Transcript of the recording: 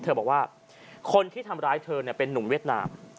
บอกว่าคนที่ทำร้ายเธอเป็นนุ่มเวียดนาม